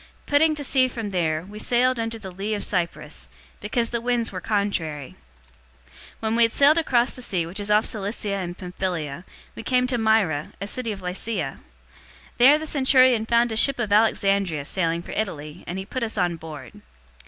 027:004 Putting to sea from there, we sailed under the lee of Cyprus, because the winds were contrary. 027:005 When we had sailed across the sea which is off Cilicia and Pamphylia, we came to Myra, a city of Lycia. 027:006 There the centurion found a ship of Alexandria sailing for Italy, and he put us on board.